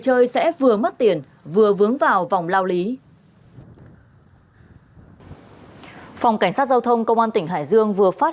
chơi sẽ vừa mất tiền vừa vướng vào vòng lao lý phòng cảnh sát giao thông công an tỉnh hải dương vừa phát